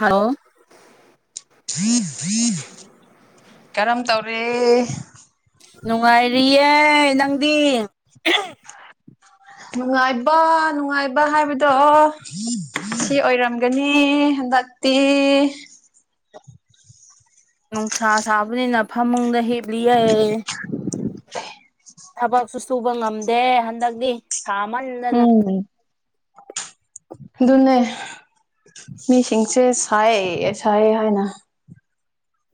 Hello ꯀꯔꯝ ꯇꯧꯔꯤ ꯅꯨꯡꯉꯥꯏꯔꯤꯌꯦꯦ ꯅꯪꯗꯤ ꯅꯨꯡꯉꯥꯏꯕ ꯅꯨꯡꯉꯥꯏꯕ ꯍꯥꯏꯕꯗꯣ ꯁꯤ ꯑꯣꯏꯔꯝꯒꯅꯤ ꯍꯟꯗꯛ ꯇ ꯅꯨꯡꯁꯥ ꯁꯥꯕꯅꯤꯅ ꯐꯃꯨꯡꯗ ꯍꯤꯞꯂꯤ ꯌꯥꯏ ꯊꯕꯛꯁꯨ ꯁꯨꯕ ꯉꯝꯗꯦ ꯍꯟꯗꯛꯇꯤ ꯁꯥꯃꯜ ꯎꯝ ꯑꯗꯨꯅꯦ ꯃꯤꯁꯤꯡꯁꯦ ꯁꯥꯏ ꯁꯥꯏ ꯍꯥꯏꯅ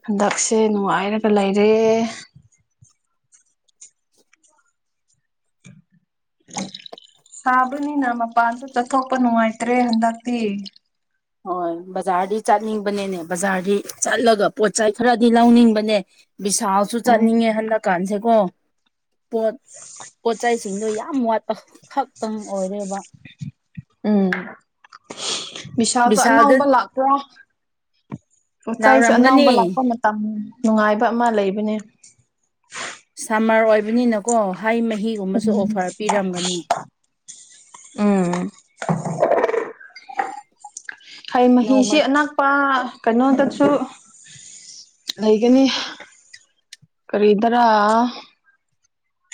ꯍꯟꯗꯛꯁꯦ ꯅꯨꯡꯉꯥꯏꯔꯒ ꯂꯩꯔꯦ ꯁꯥꯕꯅꯤ ꯅꯃꯄ ꯑꯟꯁꯨ ꯆꯁꯣꯄ ꯅꯅꯨꯡꯉꯥꯏꯇ꯭ꯔꯦ ꯍꯟꯗꯇꯤ ꯍꯣꯏ ꯕꯖꯥꯔꯗꯤ ꯆꯠꯅꯤꯡꯕꯅꯦꯅꯦ ꯕꯖꯥꯔꯗꯤ ꯆꯠꯂꯒ ꯄꯣꯠꯆꯩ ꯈꯔꯗꯤ ꯂꯧꯅꯤꯡꯕꯅꯦ ꯕꯤꯁꯜꯁꯨ ꯑꯣ ꯆꯠꯅꯤꯡꯉꯦ ꯍꯟꯗꯛꯀꯥꯟꯁꯦ ꯀꯣ ꯄꯣꯠ ꯄꯣꯠꯆꯩꯁꯤꯡꯗꯣ ꯌꯥꯝ ꯋꯥꯠꯄ ꯈꯛꯇꯪ ꯑꯣꯏꯔꯦꯕ ꯎꯝ ꯕꯤꯁꯥꯜꯗꯣ ꯕꯤꯚꯤꯁꯥꯜꯗ ꯑꯅꯧꯕ ꯂꯥꯛꯄ꯭ꯔ ꯄꯣꯆꯥꯏꯁꯨ ꯂꯥꯛꯔꯝꯒꯅꯤ ꯑꯅꯧꯕ ꯂꯥꯛꯄ ꯅꯨꯡꯉꯥꯏꯕ ꯑꯃ ꯂꯩꯕꯅꯤ ꯁꯝꯃꯔ ꯑꯣꯏꯕꯅꯤꯅꯀꯣ ꯍꯥꯏ ꯃꯍꯤꯒꯨꯝꯕꯁꯨ ꯎꯝ ꯑꯣꯐꯔ ꯄꯤꯔꯝꯒꯅꯤ ꯎꯝ ꯍꯩ ꯅꯣꯡꯃ ꯃꯍꯤꯁꯤ ꯑꯅꯛꯄ ꯀꯩꯅꯣꯗꯁꯨ ꯂꯩꯒꯅꯤ ꯈꯔꯤꯗꯔ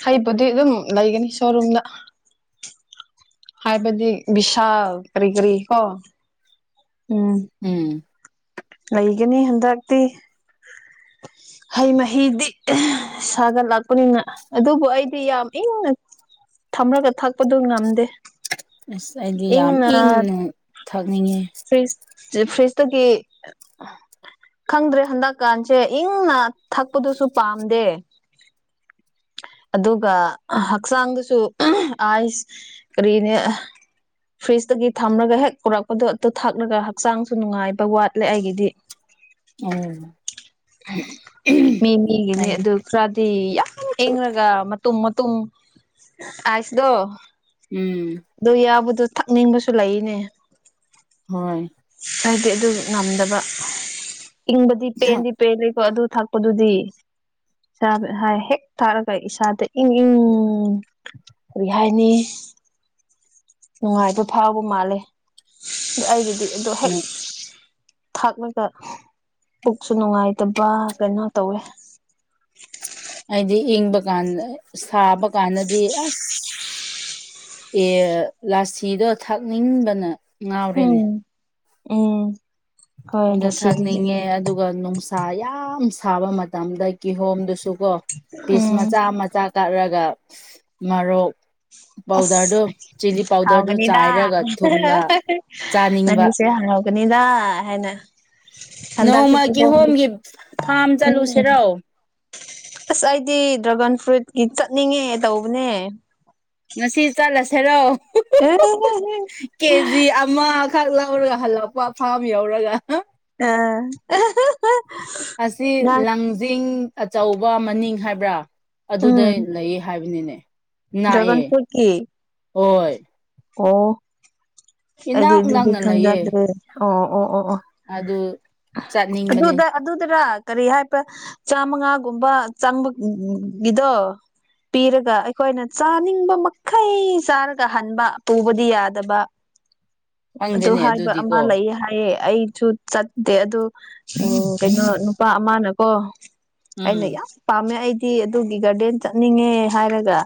ꯍꯩꯕꯗꯤ ꯑꯗꯨꯝ ꯂꯩꯒꯅꯤ ꯁꯣꯔꯨꯝꯗ ꯍꯥꯏꯕꯗꯤ ꯕꯤꯁꯥ ꯀꯔꯤ ꯀꯔꯤ ꯀꯣ ꯎꯝ ꯎꯝ ꯂꯩꯒꯅꯤ ꯍꯟꯗꯛꯇꯤ [unintelligible] ꯍꯩ ꯃꯍꯤꯗꯤ ꯁꯥꯒꯠꯂꯛꯄꯅꯤꯅ ꯑꯗꯨꯕꯨ ꯑꯩꯗꯤ ꯌꯥꯝ ꯏꯪꯅ ꯊꯝꯂꯒ ꯊꯛꯄꯗꯨ ꯉꯝꯗꯦ ꯑꯁ ꯑꯩꯗꯤ ꯌꯥꯝ ꯏꯪꯅ ꯊꯛꯅꯤꯡꯉꯤ ꯐ꯭ꯔꯤꯖ ꯐ꯭ꯔꯤꯖꯇꯒꯤ ꯈꯪꯗ꯭ꯔꯦ ꯍꯟꯗꯛꯀꯥꯟꯁꯦ ꯏꯪꯅ ꯊꯛꯄꯗꯨꯁꯨ ꯄꯥꯝꯗꯦ ꯑꯗꯨꯒ ꯍꯛꯆꯥꯡꯗꯁꯨ ꯑꯥꯏꯁ ꯀꯔꯤꯅꯦ ꯐ꯭ꯔꯤꯖꯇꯒꯤ ꯊꯝꯂꯒ ꯍꯦꯛ ꯀꯔꯛꯄꯗꯣ ꯑꯗꯨ ꯊꯥꯛꯂꯒ ꯍꯛꯆꯥꯡꯁꯨ ꯅꯨꯡꯉꯥꯏꯕ ꯋꯥꯠꯂꯦ ꯑꯩꯒꯤꯗꯤ [unintelligible] ꯃꯤ ꯃꯤꯒꯤꯅꯤ ꯑꯩ ꯑꯗꯨ ꯈꯔꯗꯤ ꯌꯥꯝ ꯏꯪꯉꯒ ꯃꯇꯨꯝ ꯃꯇꯨꯝ ꯑꯥꯏꯁꯗꯣ ꯎꯝ꯫ ꯑꯗꯨ ꯌꯥꯕꯗꯨ ꯊꯛꯅꯤꯡꯕꯁꯨ ꯂꯩꯅꯦ꯫ ꯍꯣꯏ꯫ ꯑꯩꯗꯤ ꯑꯗꯨ ꯉꯝꯗꯕ ꯏꯪꯕꯗꯤ ꯄꯦꯟꯗꯤ ꯄꯦꯜꯂꯦꯀꯣ ꯑꯗꯨ ꯊꯛꯄꯗꯨꯗꯤ꯫ [unintelligible] ꯍꯦꯛ ꯊꯥꯛꯔꯒ ꯏꯁꯥꯗ ꯏꯪ ꯏꯪ ꯀꯔꯤ ꯍꯥꯏꯅꯤ꯫ ꯅꯨꯡꯉꯥꯏꯕ ꯐꯥꯎꯕ ꯃꯥꯜꯂꯦ ꯑꯩꯒꯤꯗꯤ ꯑꯗꯨ ꯍꯦꯛ ꯊꯥꯛꯂꯒ ꯄꯨꯛꯁꯨ ꯅꯨꯡꯉꯥꯏꯇꯕ ꯀꯩꯅꯣ ꯇꯧꯋꯦ꯫ ꯍꯥꯏꯗꯤ ꯏꯪꯕ ꯀꯥꯟꯗ ꯁꯥꯕ ꯀꯥꯟꯗꯗꯤ ꯑꯁ ꯑꯦ ꯂꯥꯁꯤꯗꯣ ꯊꯥꯛꯅꯤꯡꯕꯅ ꯉꯥꯎꯔꯦꯅꯦ꯫ ꯎꯝ ꯎꯝ꯫ ꯍꯣꯏ ꯑꯗꯣ ꯂꯁꯤꯗꯨꯗꯤ ꯊꯥꯛꯅꯤꯡꯉꯦ ꯑꯗꯨꯒ ꯅꯨꯡꯁ ꯁꯥ ꯌꯥꯝ ꯁꯥꯕ ꯃꯇꯝꯗ ꯀꯤꯍꯣꯝꯗꯨꯁꯨ ꯀꯣ ꯄꯤꯁ ꯎꯝ ꯃꯆꯥ ꯃꯆꯥ ꯀꯛꯔꯒ ꯃꯔꯣꯛ ꯄꯥꯎꯗꯔꯗꯨ ꯑꯁ ꯆꯤꯂꯤ ꯄꯥꯎꯗꯔꯗꯨ ꯍꯥꯎꯒꯅꯤꯗꯥ ꯆꯥꯏꯔꯒ ꯊꯨꯝꯒ [unintelligible] ꯆꯥꯅꯤꯡꯕ ꯅꯪꯁꯦ ꯍꯥꯎ ꯒꯅꯤꯗꯥ ꯍꯥꯏꯅ ꯍꯟꯗꯛꯇꯤ ꯅꯣꯡꯃ ꯀꯤꯍꯣꯝꯗꯤ ꯀꯤꯍꯣꯝꯒꯤ ꯐꯥꯝ ꯎꯝ ꯆꯠꯂꯨꯁꯤꯔꯣ꯫ ꯑꯁ ꯑꯩꯗꯤ ꯗ꯭ꯔꯥꯒꯟ ꯐ꯭ꯔꯨꯏꯠꯀꯤ ꯆꯠꯅꯤꯡꯉꯦ ꯇꯧꯕꯅꯦ꯫ ꯉꯁꯤ ꯆꯠꯂꯁꯦꯔꯣ꯫ [unintelligible] ꯑꯃꯥꯈꯛ ꯂꯧꯔꯒ ꯍꯜꯂꯛꯄ ꯐꯥꯝ ꯌꯧꯔꯒ꯫ ꯑꯥ꯫ ꯑꯁꯤ ꯂꯥꯡꯖꯤꯡ ꯑꯆꯧꯕ ꯃꯅꯤꯡ ꯍꯥꯏꯕ꯭ꯔꯥ꯫ ꯑꯗꯨꯗ ꯎꯝ ꯂꯩꯌꯦ ꯍꯥꯏꯕꯅꯤꯅꯦ ꯗ꯭ꯔꯥꯒꯟ ꯅꯥꯛꯑꯦ ꯐ꯭ꯔꯨꯏꯠꯀꯤ ꯍꯣꯏ꯫ ꯑꯣ ꯑꯩꯗꯤ ꯏꯅꯥꯛ ꯑꯗꯨꯗꯤ ꯅꯛꯅ ꯂꯩꯌꯦ ꯈꯪꯖꯗ꯭ꯔꯦ ꯑꯣ ꯑꯣ ꯑꯣ ꯑꯣ꯫ ꯑꯗꯨ ꯆꯠꯅꯤꯡꯕꯅꯦ꯫ ꯑꯗꯨꯗ ꯑꯗꯨꯗꯔ ꯀꯔꯤ ꯍꯥꯏꯕ꯭ꯔꯥ ꯆꯥꯃꯉꯥꯒꯨꯝꯕ ꯆꯪꯕ ꯒꯤꯗꯣ꯫ ꯄꯤꯔꯒ ꯑꯩꯈꯣꯏꯅ ꯆꯥꯅꯤꯡꯕ ꯃꯈꯩ ꯆꯥꯔꯒ ꯍꯟꯕ꯫ ꯄꯨꯕꯗꯤ ꯌꯥꯗꯕ ꯑꯗꯨ ꯈꯪꯗꯦꯅꯦ ꯍꯥꯏꯕ ꯑꯃ ꯑꯗꯨꯗꯤꯀꯣ ꯂꯩꯌꯦ ꯍꯥꯏꯌꯦ ꯑꯩꯁꯨ ꯆꯠꯇꯦ ꯑꯗꯣ ꯀꯩꯅꯣ ꯅꯨꯄꯥ ꯑꯃꯅꯀꯣ ꯎꯝ ꯑꯩꯅ ꯌꯥꯝ ꯄꯥꯝꯃꯦ ꯑꯩꯗꯤ ꯑꯗꯨꯒꯤ ꯒꯥꯔꯗꯦꯟ ꯆꯠꯅꯤꯡꯉꯦ ꯍꯥꯏꯔꯒ꯫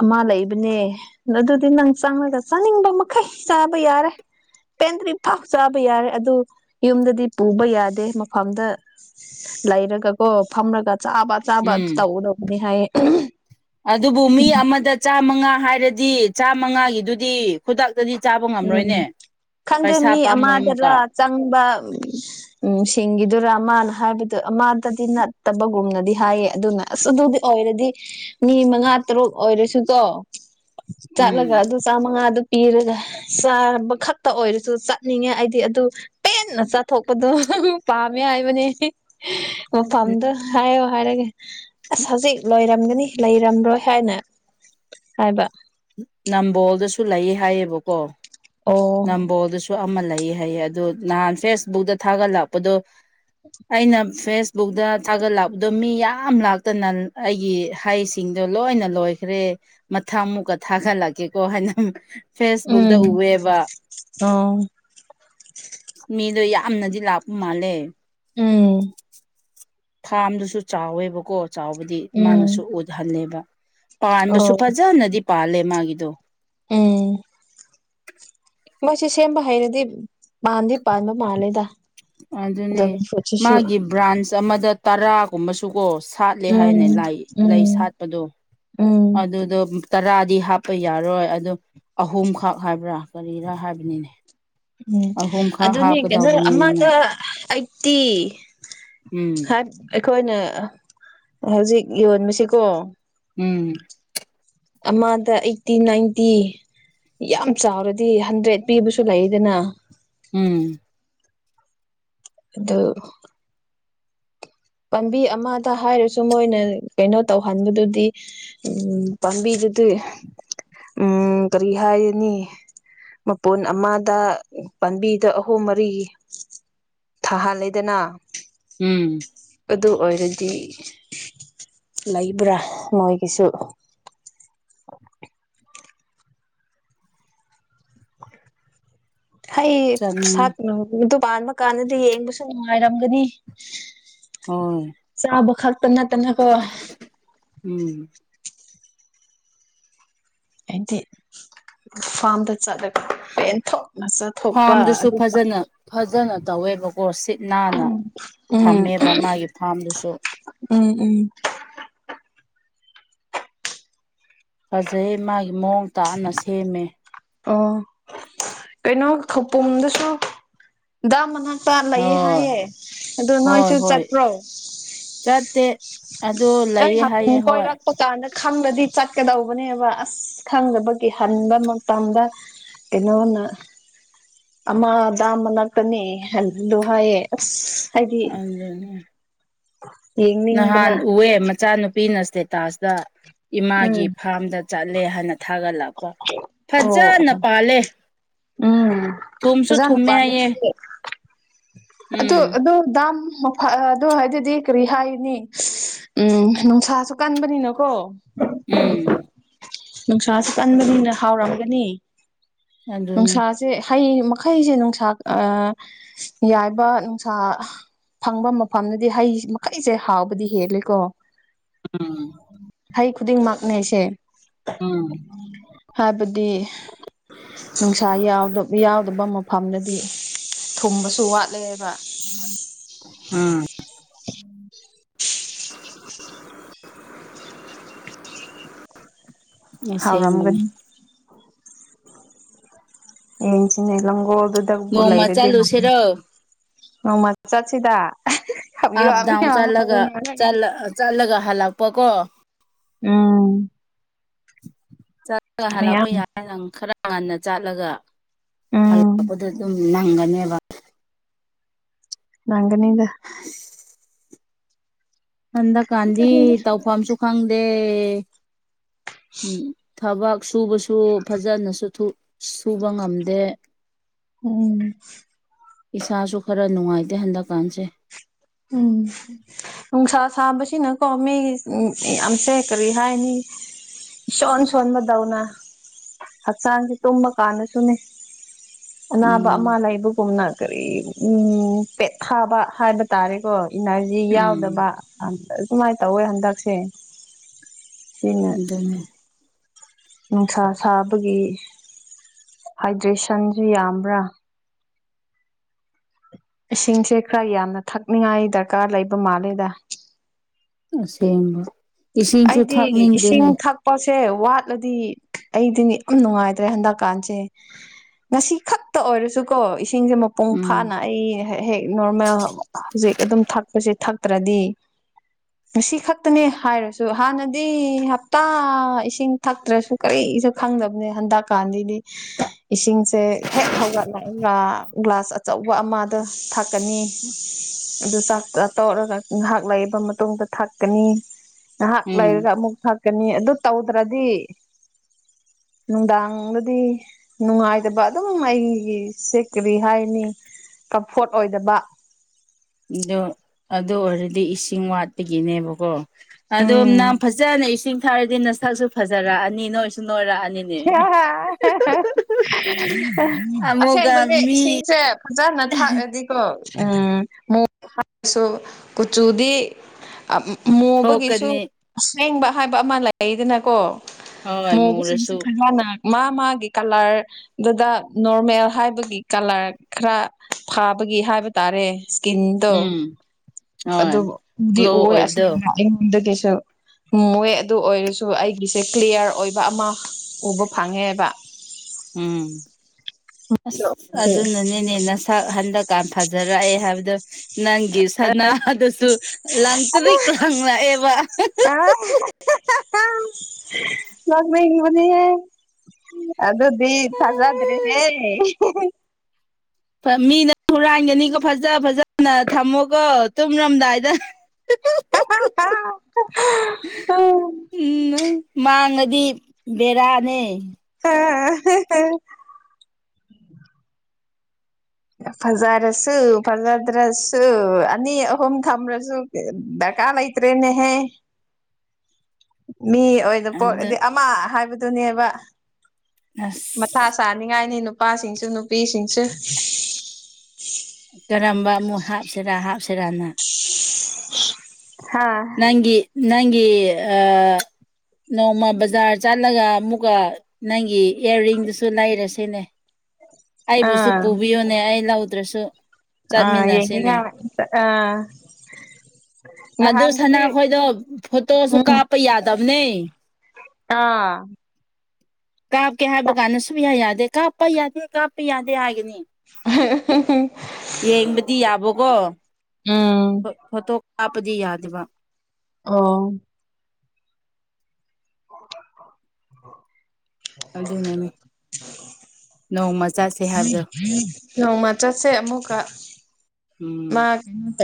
ꯑꯃ ꯂꯩꯕꯅꯦ ꯑꯗꯨ ꯗꯨ ꯅꯪ ꯆꯪꯔꯒ ꯆꯥꯅꯤꯡꯕ ꯃꯈꯩ ꯆꯥꯕ ꯌꯥꯔꯦ꯫ ꯄꯦꯟꯗ꯭ꯔꯤ ꯐꯥꯎ ꯆꯥꯕ ꯌꯥꯔꯦ ꯑꯗꯨ ꯌꯨꯝꯗꯗꯤ ꯄꯨꯕ ꯌꯥꯗꯦ ꯃꯐꯝꯗ ꯂꯩꯔꯒꯀꯣ ꯐꯝꯔꯒ ꯆꯥꯕ ꯆꯥꯕ ꯎꯝ ꯇꯧꯒꯗꯧꯕꯅꯤ ꯍꯥꯏꯌꯦ ꯑꯗꯨꯕꯨ ꯃꯤ ꯑꯃꯗ ꯆꯥꯃꯉꯥ ꯍꯥꯏꯔꯗꯤ ꯆꯥꯃꯉꯥꯒꯤꯗꯨꯗꯤ ꯈꯨꯗꯛꯇꯗꯤ ꯆꯥꯕ ꯎꯝ ꯉꯝꯔꯣꯏꯅꯦ ꯈꯪꯗꯦ ꯄꯩꯁꯥ ꯃꯤ ꯄꯥꯝꯃꯨꯑꯦ ꯑꯃꯨꯛꯀ꯫ ꯑꯃꯗꯔ ꯆꯪꯕ ꯎꯝ ꯁꯤꯡꯒꯤꯗꯨꯔꯥ ꯃꯥꯅ ꯍꯥꯏꯕꯗ ꯑꯃꯗꯗꯤ ꯅꯠꯇꯕꯒꯨꯝꯅꯗꯤ ꯍꯥꯏꯌꯦ ꯑꯗꯨꯅ ꯑꯁ ꯑꯗꯨꯗꯤ ꯑꯣꯏꯔꯗꯤ ꯃꯤ ꯃꯉꯥ ꯇꯔꯨꯛ ꯑꯣꯏꯔꯁꯨꯀꯣ ꯎꯝ ꯆꯠꯂꯒ ꯑꯗꯨ ꯆꯥꯃꯉꯥꯗꯨ ꯄꯤꯔꯒ ꯆꯥꯕ ꯈꯛꯇ ꯑꯣꯏꯔꯁꯨ ꯆꯠꯅꯤꯡꯉꯦ ꯑꯩꯗꯤ ꯑꯗꯨ꯫ ꯄꯦꯟꯅ ꯆꯥꯊꯣꯛꯄꯗꯣ ꯑꯗꯨ ꯄꯥꯝꯃꯦ ꯍꯥꯏꯕꯅꯦ꯫ ꯃꯐꯝꯝꯗꯣ ꯍꯥꯏꯌꯣ ꯍꯥꯏꯔꯒ ꯑꯁ ꯍꯧꯖꯤꯛ ꯂꯣꯏꯔꯝꯒꯅꯤ ꯂꯩꯔꯝꯔꯣꯏ ꯍꯥꯏꯅ ꯍꯥꯏꯕ ꯅꯝꯕꯣꯜꯗꯁꯨ ꯂꯩꯌꯦ ꯍꯥꯏꯌꯦꯕꯀꯣ ꯑꯣ ꯅꯝꯕꯣꯜꯗꯁꯨ ꯁꯨ ꯑꯃ ꯂꯩ ꯍꯥꯏꯌꯦ ꯑꯗꯨ ꯅꯍꯥꯟ ꯐꯦꯁꯕꯨꯛꯇ ꯊꯥꯒꯠꯂꯛꯄꯗꯣ ꯑꯩꯅ ꯐꯦꯁꯕꯨꯛꯇ ꯊꯥꯒꯠꯂꯛꯄꯗꯣ ꯃꯤ ꯌꯥꯝ ꯂꯥꯛꯇꯅ ꯑꯩꯒꯤ ꯍꯩꯁ ꯇꯤꯡꯗꯣ ꯂꯣꯏꯅ ꯂꯣꯏꯈ꯭ꯔꯦ ꯃꯊ ꯃꯨꯛꯀ ꯊꯥꯒꯠꯂꯛꯀꯦꯀꯣ ꯍꯥꯏꯅ ꯇꯤꯛ ꯐꯦꯁꯕꯨꯛꯗ ꯎꯝ ꯎꯑꯦꯕ꯫ ꯑꯣ ꯃꯤꯗꯣ ꯌꯥꯝꯅꯗꯤ ꯂꯥꯛꯄ ꯃꯥꯜꯂꯦ꯫ ꯎꯝ꯫ ꯐꯥꯔꯝꯗꯨꯁꯨ ꯆꯥꯎꯋꯦꯕꯀꯣ ꯆꯥꯎꯕꯗꯤ ꯎꯝ ꯃꯥꯅꯁꯨ ꯎꯠꯍꯟꯅꯤꯕ ꯄꯥꯟꯕꯁꯨ ꯑꯣ ꯐꯖꯅꯗꯤ ꯄꯥꯜꯂꯦ ꯃꯥꯒꯤꯗꯣ꯫ ꯎꯝ꯫ ꯃꯣꯏꯁꯦ ꯁꯦꯝꯕ ꯍꯩꯔꯗꯤ ꯃꯥꯟꯗꯤ ꯄꯥꯟꯕ ꯃꯥꯜꯂꯦꯗ꯫ ꯑꯗꯨꯅꯦ ꯗ꯭ꯔꯥꯒꯟ ꯐ꯭ꯔꯨꯠꯁꯤꯁꯨ ꯃꯥꯒꯤ ꯕ꯭ꯔꯥꯟꯁ ꯑꯃꯗ ꯇꯔꯥ ꯄꯨꯝꯃꯁꯨꯀꯣ ꯁꯥꯠꯂꯦ ꯍꯥꯏꯅꯦ ꯎꯝ ꯂꯥꯏ ꯂꯩ ꯎꯝ ꯁꯥꯠꯄꯗꯣ ꯎꯝ ꯑꯗꯨꯗꯨ ꯑꯝ ꯇꯔꯥꯗꯤ ꯍꯥꯞꯄ ꯌꯥꯔꯣꯏ ꯑꯗ ꯑꯍꯨꯝꯈꯛ ꯍꯥꯏꯕ꯭ꯔꯥ ꯀꯔꯤꯔꯥ ꯍꯥꯏꯕꯅꯤꯅꯦ ꯎꯝ ꯑꯍꯨꯝꯈꯛ ꯑꯗꯨꯅꯤ ꯀꯩꯅꯣ ꯍꯥꯞꯀꯗꯧꯕꯅꯤꯅ ꯑꯃꯗ ꯑꯩꯠꯇꯤ ꯎꯝ ꯑꯩꯈꯣꯏꯅ ꯍꯧꯖꯤꯛ ꯌꯣꯟꯕꯁꯤꯀꯣ ꯎꯝ ꯑꯃꯗ ꯑꯩꯠꯇꯤ ꯅꯥꯏꯟꯇꯤ ꯌꯥꯝ ꯆꯥꯎꯔꯗꯤ ꯍꯟꯗ꯭ꯔꯦꯗ ꯄꯤꯕꯁꯨ ꯂꯩꯗꯅ ꯎꯝ ꯑꯗꯨ ꯄꯥꯝꯕꯤ ꯑꯃꯗ ꯍꯥꯏꯔꯁꯨ ꯃꯣꯏꯅ ꯀꯩꯅꯣ ꯇꯧꯍꯟꯕꯗꯨꯗꯤ ꯎꯝ ꯄꯝꯕꯤꯗꯨꯗꯤ ꯎꯝ ꯀꯔꯤ ꯍꯥꯏꯔꯨꯅꯤ ꯃꯄꯨꯟ ꯑꯃꯗ ꯄꯥꯝꯕꯤꯗ ꯑꯍꯨꯝ ꯃꯔꯤ ꯊꯥꯍꯜꯂꯦꯗꯅ ꯎꯝ ꯑꯗꯨ ꯑꯣꯏꯔꯗꯤ ꯂꯩꯕ꯭ꯔꯥ ꯃꯣꯏꯒꯤꯁꯨ ꯍꯩ ꯆꯠꯅꯤꯡꯉꯤ ꯁꯥꯠꯗꯨ ꯄꯥꯟꯕꯥꯟꯕ ꯀꯥꯟꯗꯗꯤ ꯌꯦꯡꯕꯁꯨ ꯅꯨꯡꯉꯥꯏꯔꯝꯒꯅꯤ ꯎꯝ ꯆꯥꯕ ꯈꯛꯇ ꯅꯠꯇꯅꯀꯣ ꯎꯝ ꯍꯥꯏꯗꯤ ꯐꯥꯝꯗ ꯆꯠꯂꯒ ꯄꯦꯟꯊꯣꯛꯅ ꯆꯠ ꯐꯥꯝꯗꯨꯁꯨ ꯐꯖꯅ ꯐꯖꯅ ꯇꯧꯋꯦꯕꯀꯣ ꯁꯤꯠ ꯅꯥꯟꯅ ꯎꯝ ꯊꯝꯃꯦꯕ ꯃꯥꯒꯤ ꯐꯥꯝꯗꯨꯁꯨ ꯎꯝ ꯎꯝ ꯐꯖꯩ ꯃꯥꯒꯤ ꯃꯑꯣꯡ ꯇꯥꯅ ꯁꯦꯝꯃꯦ ꯑꯣ ꯀꯩꯅꯣ ꯈꯧꯄꯨꯝꯗꯁꯨ ꯃꯅꯥꯛꯇ ꯂꯩ ꯍꯣꯏ ꯍꯥꯏꯌꯦ ꯑꯗꯨ ꯍꯣꯏ ꯅꯣꯏꯁꯨ ꯍꯣꯏ ꯆꯠꯄ꯭ꯔꯣ ꯆꯠꯇꯦ ꯑꯗꯨ ꯂꯩꯌꯦ ꯍꯥꯏꯌꯦ ꯍꯣꯏ ꯈꯪꯕꯗꯤ ꯆꯠꯀꯗꯧꯕꯅꯦꯕ ꯑꯁ ꯈꯪꯗꯕꯒꯤ ꯍꯟꯕ ꯃꯇꯝꯗ ꯀꯩꯅꯣꯅ ꯑꯃ ꯗꯥꯝ ꯃꯅꯥꯛꯇꯅꯤ ꯑꯗꯨ ꯍꯥꯏꯌꯦ ꯑꯁ ꯍꯥꯏꯗꯤ ꯎꯝ ꯌꯦꯡꯅꯤꯡꯕꯅ ꯅꯍꯥꯟ ꯎꯏꯌꯦ ꯃꯆꯥꯅꯨꯄꯤꯅ ꯏꯁꯇꯦꯇꯥꯁꯇ ꯏꯃꯥꯒꯤ ꯎꯝ ꯐꯥꯝꯗ ꯆꯠꯂꯦ ꯍꯥꯏꯅ ꯊꯥꯒꯠꯂꯛꯄ ꯑꯣ ꯐꯖꯅ ꯑꯣ ꯄꯥꯜꯂꯦ ꯎꯝ ꯊꯨꯝꯁꯨ ꯐꯖꯅ ꯊꯨꯝꯃꯦ ꯄꯥꯜꯂꯦ ꯍꯥꯏꯌꯦ ꯑꯗꯨ ꯎꯝ ꯑꯗꯨ ꯗꯥꯝ ꯑꯗꯨꯗ ꯍꯥꯏꯗꯨꯗꯤ ꯀꯔꯤ ꯍꯥꯏꯅꯤ ꯎꯝ ꯅꯨꯡꯁꯥꯁꯨ ꯀꯟꯕꯅꯤꯅꯀꯣ ꯎꯝ ꯅꯨꯡꯁꯥꯥꯁꯨ ꯀꯟꯕꯅꯤꯅ ꯍꯥꯎꯔꯝꯒꯅꯤ ꯑꯗꯨꯅꯦ ꯅꯨꯡꯁꯥꯁ ꯁꯦ ꯍꯩ ꯃꯈꯩꯁꯦ ꯅꯨꯡꯁꯥ ꯌꯥꯏꯕ ꯅꯨꯡꯁꯥ ꯐꯪꯕ ꯃꯐꯝꯗꯗꯤ ꯍꯩ ꯍꯩꯁꯦ ꯍꯥꯎꯕꯗꯤ ꯍꯦꯜꯂꯦꯀꯣ ꯍꯩ ꯈꯨꯗꯤꯡꯃꯛꯅꯦ ꯑꯩꯁꯦ ꯎꯝ ꯍꯥꯏꯕꯗꯤ ꯅꯨꯡꯁꯥ ꯌꯥꯎ ꯌꯥꯎꯗꯕ ꯃꯐꯝꯗꯗꯤ ꯊꯨꯝꯕꯁꯨ ꯋꯥꯠꯂꯦ ꯎꯝ [inaudible] ꯑꯁꯦꯡꯕꯅꯦ ꯍꯥꯎꯔꯝꯒꯅꯤ ꯌꯦꯡꯁꯤꯅꯦ ꯂꯥꯡꯒꯣꯜ ꯗꯨꯗ ꯅꯣꯡꯃ ꯂꯩꯔꯗꯤ ꯆꯠꯂꯨꯁꯤꯔꯣ ꯅꯣꯡꯃ ꯆꯠꯁꯤꯗ ꯈꯥꯕꯤꯌꯣ ꯑꯞ ꯗꯥꯎꯟ ꯃꯌꯥꯝ ꯆꯠꯂꯒ ꯍꯧꯅꯔꯒ ꯆꯠꯂꯒ ꯍꯜꯂꯛꯄ ꯀꯣ ꯎꯝ ꯆꯠꯂꯒ ꯍꯜꯂꯛꯄ ꯃꯌꯥꯝ ꯌꯥꯔꯦ ꯅꯪ ꯈꯔ ꯉꯟꯅ ꯆꯥꯠꯂꯒ ꯎꯝ ꯍꯜꯂꯛꯄꯗ ꯑꯗꯨꯝ ꯅꯪꯒꯅꯦꯕ ꯅꯪꯒꯅꯤꯗ ꯑꯁ ꯍꯟꯗꯛꯀꯥꯟꯗꯤ ꯇꯧꯐꯝꯁꯨ ꯈꯪꯗꯦ ꯎꯝ ꯊꯕꯛ ꯁꯨꯕꯁꯨ ꯐꯖꯅꯁꯨ ꯁꯨꯕ ꯉꯝꯗꯦ ꯎꯝ ꯏꯁꯥꯁꯨ ꯈꯔ ꯅꯨꯡꯉꯥꯏꯇꯦ ꯍꯟꯗꯛꯀꯥꯟꯁꯦ ꯎꯝ ꯅꯨꯡꯁꯥ ꯁꯥꯕꯁꯤꯅꯀꯣ ꯃꯤ ꯌꯥꯝꯁꯦ ꯀꯔꯤ ꯍꯥꯏꯅꯤ ꯏꯁꯣꯟ ꯁꯣꯟꯕꯗꯧꯅ ꯍꯛꯆꯥꯡꯁꯦ ꯇꯨꯝꯕ ꯀꯥꯟꯗꯁꯨꯅꯤ ꯑꯅꯥꯕ ꯑꯃ ꯎꯝ ꯂꯩꯕꯒꯨꯝꯅ ꯀꯔꯤ ꯎ ꯄꯦꯠ ꯊꯥꯕ ꯍꯥꯏꯕ ꯇꯥꯔꯦꯀꯣ ꯏꯅꯔꯖꯤ ꯌꯥꯎꯗꯕ ꯎꯝ ꯗ ꯁꯨꯃꯥꯏꯅ ꯇꯧꯋꯦ ꯍꯟꯗꯛꯁꯦ ꯁꯤꯅ ꯑꯗꯨꯅꯤ ꯅꯨꯡꯁꯥ ꯁꯥꯕꯒꯤ ꯍꯥꯏꯗ꯭ꯔꯦꯁꯟꯁꯨ ꯌꯥꯝꯕ꯭ꯔꯥ ꯏꯁꯤꯡꯁꯦ ꯈꯔ ꯌꯥꯝꯅ ꯊꯛꯅꯤꯉꯥꯏ ꯗꯔꯀꯥꯔ ꯂꯩꯕ ꯃꯥꯜꯂꯦꯗ ꯑꯁꯦꯡꯕ ꯏꯁꯤꯡꯁꯨ ꯊꯛꯅꯤꯡꯗꯦꯅꯦ ꯄꯣꯠꯁꯦ ꯋꯥꯠꯂꯗꯤ ꯑꯩꯗꯤꯅꯤ ꯌꯥꯝ ꯅꯨꯡꯉꯥꯏꯇ꯭ꯔꯦ ꯍꯟꯗꯛꯀꯥꯟꯁꯦ ꯉꯁꯤ ꯈꯛꯇ ꯑꯣꯏꯔꯁꯨꯀꯣ ꯏꯁꯤꯡꯁꯦ ꯃꯄꯨꯡ ꯎꯝ ꯐꯥꯅ ꯑꯩ ꯍꯦꯛ ꯅꯣꯔꯃꯦꯜ ꯍꯧꯖꯤꯛ ꯑꯗꯨꯝ ꯊꯛꯄꯁꯦ ꯊꯛꯇ꯭ꯔꯗꯤ [inaudible] ꯉꯁꯤ ꯈꯛꯇꯅꯦ ꯍꯥꯏꯔꯁꯨ ꯍꯥꯟꯅꯗꯤ ꯍꯞꯇꯥ ꯏꯁꯤꯡ ꯊꯛꯇ꯭ꯔꯁꯨ ꯀꯔꯤꯁꯨ ꯈꯪꯗꯕꯅꯦ ꯍꯟꯗꯛ ꯀꯥꯟꯗꯗꯤ ꯏꯁꯤꯡꯁꯦ ꯍꯦꯛ ꯍꯧꯒꯠꯂꯒ ꯒ꯭ꯂꯥꯁ ꯑꯆꯧꯕ ꯑꯃꯗ ꯊꯥꯛꯀꯅꯤ ꯑꯗꯨ ꯆꯥꯛ ꯇꯧꯔꯒ ꯉꯥꯏꯍꯥꯛ ꯂꯩꯕ ꯃꯇꯨꯡꯗ ꯊꯥꯛꯀꯅꯤ ꯉꯍꯥꯛ ꯎꯝ ꯂꯩꯔꯒ ꯑꯃꯨꯛ ꯊꯛꯀꯅꯤ ꯑꯗꯨ ꯇꯧꯗ꯭ꯔꯗꯤ ꯅꯨꯡꯗꯥꯡꯒꯗꯤ ꯅꯨꯡꯉꯥꯏꯇꯕ ꯑꯗꯨꯝ ꯑꯩꯒꯤꯁꯦ ꯀꯔꯤ ꯍꯥꯏꯅꯤ ꯀꯝꯐꯣꯔꯠ ꯑꯣꯏꯗꯕ ꯑꯗꯣ ꯑꯗꯨ ꯑꯣꯏꯔꯗꯤ ꯏꯁꯤꯡ ꯋꯥꯠꯄꯒꯤꯅꯦꯕꯀꯣ ꯑꯗꯨꯝ ꯅ ꯎꯝ ꯐꯖꯅ ꯏꯁꯤꯡ ꯊꯥꯔꯗꯤ ꯅꯁꯛꯁꯨ ꯐꯖꯔꯛꯑꯅꯤ ꯅꯣꯏꯁꯨ ꯅꯣꯏꯔꯛꯑꯅꯤꯅ [unintelligible] ꯑꯃꯨꯛꯀ ꯑꯁꯦꯡꯕꯅꯦ ꯃꯤ ꯏꯁꯤꯡꯁꯦ ꯐꯖꯅ ꯊꯥꯛꯑꯗꯤ ꯎꯝ ꯃ ꯀꯆꯨꯗꯤ ꯃꯣꯕꯒꯤꯁꯨ ꯊꯣꯛꯀꯅꯤ ꯑꯁꯦꯡꯕ ꯍꯥꯏꯕ ꯑꯃ ꯂꯩꯗꯅꯀꯣ ꯍꯣꯏ ꯃꯣꯕꯁꯤꯡꯁꯦ ꯃꯨꯔꯁꯨ ꯐꯖꯅ ꯃꯥ ꯃꯥꯒꯤ ꯀꯂꯔ ꯑꯗꯨꯗ ꯅꯣꯔꯃꯦꯜ ꯍꯥꯏꯕꯒꯤ ꯀꯂꯔ ꯈꯔ ꯐꯕꯒꯤ ꯍꯥꯏꯕ ꯇꯥꯔꯦ ꯏꯁꯀꯤꯟ ꯇꯣ ꯎꯝ ꯍꯣꯏ ꯑꯗꯨ ꯎꯗꯤ ꯒ꯭ꯂꯣ ꯑꯣꯏꯁ ꯑꯣꯏꯕꯗꯣ ꯑꯩꯉꯣꯟꯗ ꯀꯩꯁꯨ ꯍꯨꯝꯋꯦ ꯑꯗꯨ ꯑꯣꯏꯔꯁꯨ ꯑꯩꯒꯤꯁꯦ ꯀ꯭ꯂꯤꯌꯥꯔ ꯑꯣꯏꯕ ꯑꯃ ꯎꯕ ꯐꯪꯉꯦꯕ ꯎꯝ ꯑꯁ ꯑꯗꯨꯅꯅꯤꯅꯦ ꯅ ꯁꯛ ꯍꯟꯗꯛ ꯀ ꯐꯖꯔꯛꯑꯦ ꯍꯥꯏꯕꯗꯣ ꯅꯪꯒꯤ ꯁꯅꯥꯗꯁꯨ ꯂꯪ ꯇꯔꯤꯛ ꯂꯥꯡꯪꯂꯛꯑꯦꯕ ꯂ ꯃꯒꯕꯨꯗꯤꯦ ꯑꯗꯨꯗꯗꯤ ꯆꯒꯗ꯭ꯔꯦ ꯍ ꯃꯤꯅ ꯍꯨꯔꯥꯏꯒꯅꯤꯀꯣ ꯐꯖ ꯐꯖꯅ ꯊꯝꯃꯣꯀꯣ ꯇꯨꯝꯔꯝꯗꯥꯏꯗ ꯍ ꯀ ꯎꯝ ꯃꯥꯡꯉꯗꯤ ꯕꯦꯔꯥꯅꯦ ꯍꯥ ꯐꯖꯔꯁꯨ ꯐꯖꯗ꯭ꯔꯁꯨ ꯑꯅꯤ ꯑꯍꯨꯝ ꯊꯝ꯭ꯔꯁꯨ ꯗꯀꯥꯜꯩ꯭ꯔꯦ ꯅꯦꯍꯦ ꯃꯤ ꯑꯣꯏꯅ ꯑꯣꯏꯅ ꯑꯗꯨ ꯄꯣꯛꯑꯗꯤ ꯑꯃ ꯍꯥꯏꯕꯗꯨꯅꯦꯕ ꯃꯊꯥ ꯑꯁ ꯁꯥ ꯆꯅꯤꯡꯉꯥꯏꯅꯤ ꯅꯨꯄꯥꯁꯤꯡꯁꯨ ꯅꯨꯄꯤꯁꯤꯡꯁꯨ ꯀꯔꯝꯕ ꯑꯃꯨꯛ ꯍꯥꯞꯁꯤꯔꯥ ꯍꯥꯞꯁꯤꯔꯥꯅ ꯍꯥꯥ ꯅꯪꯒꯤ ꯅꯪꯒꯤ ꯑ ꯅꯣꯡꯃ ꯕꯖꯥꯔ ꯆꯠꯂꯒ ꯑꯃꯨꯛꯀ ꯅꯪꯒꯤ ꯏꯌꯥꯔꯔꯤꯡꯗꯨꯁꯨ ꯂꯩꯔꯁꯤꯅꯦ ꯑꯩꯕꯨꯁꯨ ꯑꯥ ꯄꯨꯕꯤꯌꯨꯅꯦ ꯑꯩ ꯂꯧꯗ꯭ꯔꯁꯨ ꯑ ꯌꯦꯡꯅꯤꯡ ꯆꯠꯃꯤꯟꯅꯁꯤꯅꯦ ꯑꯥ ꯑꯗꯨ ꯅꯍꯥꯟ ꯑꯗꯨꯗꯤ ꯁꯅꯥꯈꯣꯏꯗꯣ ꯐꯣꯇꯣꯁꯨ ꯎꯝ ꯀꯥꯞꯄ ꯌꯥꯗꯕꯅꯦ ꯑꯥ ꯀꯥꯞꯀꯦ ꯍꯥꯏꯕ ꯀꯥꯟꯗ ꯁꯨꯡꯌꯥ ꯌꯥꯗꯦ ꯀꯥꯞꯄ ꯌꯥꯗꯦ ꯀꯥꯞꯄ ꯌꯥꯗꯦ ꯍꯥꯏꯒꯅꯤ [unintelligible] ꯌꯦꯡꯕꯗꯤ ꯌꯥꯕꯣꯀꯣ ꯎꯝ ꯐꯣꯇꯣ ꯀꯥꯞꯄꯗꯤ ꯌꯥꯗꯦꯕ ꯑꫭ ꯑꯗꯨꯅꯅꯤ ꯅꯣꯡꯃ ꯆꯠꯁꯦ ꯍꯥꯏꯕꯗꯣ [inaudible] ꯅꯣꯡꯃ ꯆꯠꯁꯦ ꯑꯃꯨꯛꯀ ꯎꯝ ꯃꯥ ꯀꯩꯅꯣ ꯇꯧ